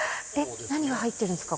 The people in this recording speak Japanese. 何が入ってるんですか？